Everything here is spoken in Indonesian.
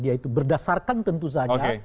dia itu berdasarkan tentu saja